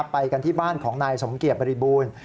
ไปกันที่บ้านของนายสมเกียจบริบูรณ์